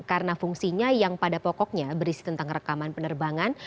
karena fungsinya yang pada pokoknya berisi tentang rekaman penerbangan